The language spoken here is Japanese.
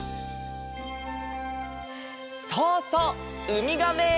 そうそうウミガメ！